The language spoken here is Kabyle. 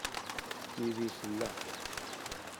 Tili tella.